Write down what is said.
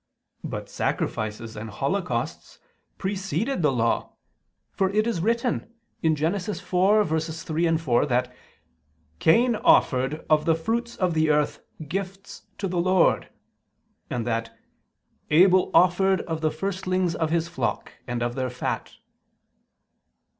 But sacrifices and holocausts preceded the Law: for it is written (Gen. 4:3, 4) that "Cain offered, of the fruits of the earth, gifts to the Lord," and that "Abel offered of the firstlings of his flock, and of their fat."